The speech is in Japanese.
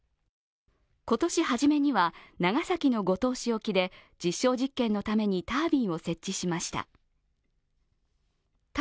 今年初めには、長崎の五島市沖で実証実験のためにタービンを設置しました。